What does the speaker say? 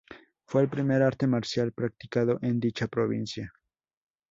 Fue el primer arte marcial practicado en dicha provincia.